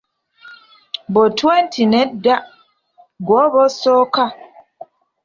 Bontwe nti, nedda, gw'oba osooka okubuuka.